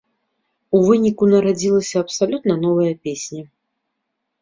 У выніку нарадзілася абсалютна новая песня.